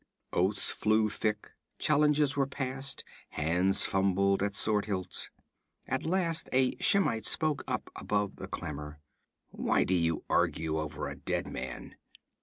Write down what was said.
Oaths flew thick, challenges were passed, hands fumbled at sword hilts. At last a Shemite spoke up above the clamor: 'Why do you argue over a dead man?'